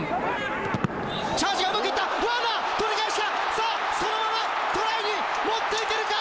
さぁそのままトライに持っていけるか？